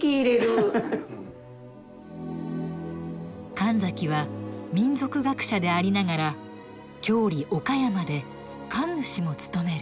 神崎は民俗学者でありながら郷里・岡山で神主も務める。